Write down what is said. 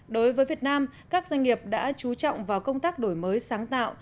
đối với việt nam các doanh nghiệp đã chú trọng vào công tác đổi mới sáng tạo